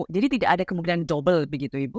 jadi tidak ada kemungkinan double begitu ibu